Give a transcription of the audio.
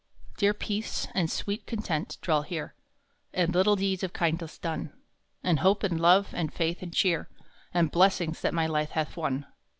Dear Peace, and Sweet Content, dwell here, And little deeds of kindness done ; And Hope and Love, and Faith, and Cheer, And blessings that my life hath won.